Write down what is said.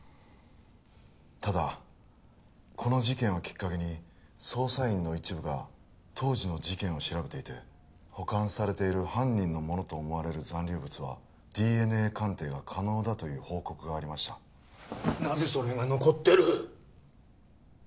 ただこの事件をきっかけに捜査員の一部が当時の事件を調べていて保管されている犯人のものと思われる残留物はＤＮＡ鑑定が可能だという報告がありましたなぜそれが残ってる？